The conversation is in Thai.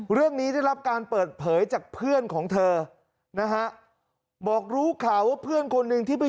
ได้รับการเปิดเผยจากเพื่อนของเธอนะฮะบอกรู้ข่าวว่าเพื่อนคนหนึ่งที่ไป